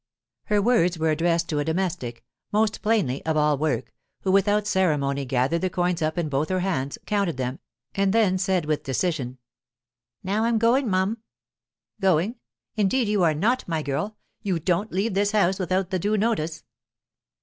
Her words were addressed to a domestic (most plainly, of all work), who without ceremony gathered the coins up in both her hands, counted them, and then said with decision: "Now I'm goin', mum." "Going? Indeed you are not, my girl! You don't leave this house without the due notice."